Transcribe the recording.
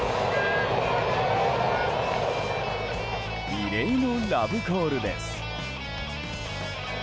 異例のラブコールです。